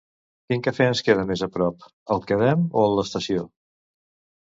Quin cafè ens queda més a prop, el Quedem o l'Estació?